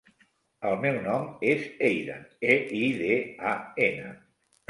El meu nom és Eidan: e, i, de, a, ena.